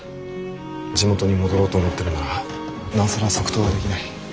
地元に戻ろうと思ってるならなおさら即答はできない。